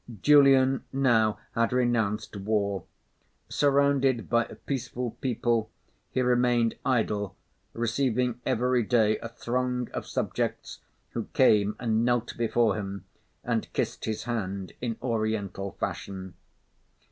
Julian now had renounced war. Surrounded by a peaceful people, he remained idle, receiving every day a throng of subjects who came and knelt before him and kissed his hand in Oriental fashion.